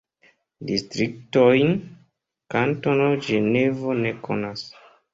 Distriktojn Kantono Ĝenevo ne konas.